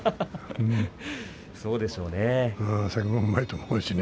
そうでしょうね。